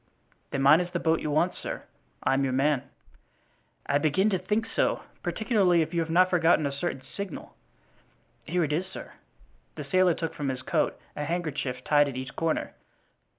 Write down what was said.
"Then mine is the boat you want, sir. I'm your man." "I begin to think so, particularly if you have not forgotten a certain signal." "Here it is, sir," and the sailor took from his coat a handkerchief, tied at each corner.